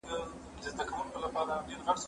موږ چي ول مېلمانه به نن مېشت سي